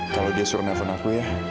kalau dia suruh nelfon aku ya